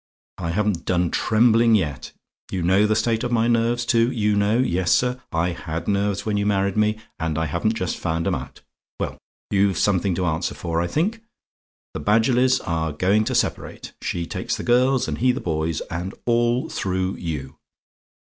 I haven't done trembling yet! You know the state of my nerves, too; you know yes, sir, I HAD nerves when you married me; and I haven't just found 'em out. Well, you've something to answer for, I think. The Badgerlys are going to separate: she takes the girls, and he the boys, and all through you.